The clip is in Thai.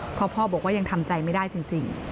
เพราะพ่อบอกว่ายังทำใจไม่ได้จริง